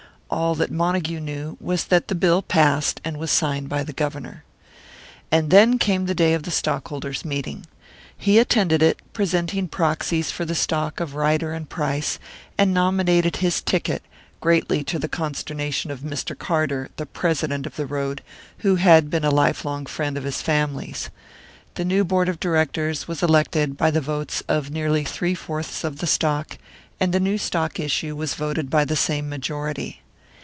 All that Montague knew was that the bill passed, and was signed by the Governor. And then came the day of the stockholders' meeting. He attended it, presenting proxies for the stock of Ryder and Price, and nominated his ticket, greatly to the consternation of Mr. Carter, the president of the road, who had been a lifelong friend of his family's. The new board of directors was elected by the votes of nearly three fourths of the stock, and the new stock issue was voted by the same majority.